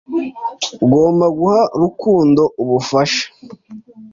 Ugomba guha Rukundo ubufasha.